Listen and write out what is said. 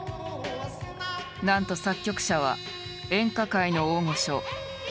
なんと作曲者は演歌界の大御所船村徹。